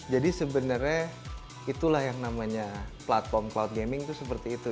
jadi sebenarnya itulah yang namanya platform cloud gaming itu seperti itu